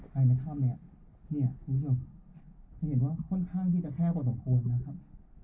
ใครนะครับแม็กซ์นี่คุณผู้ชมมันเห็นว่าค่อนข้างที่จะแค่กว่าสองคนนะครับ